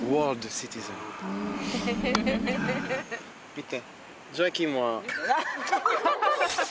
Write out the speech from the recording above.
見て。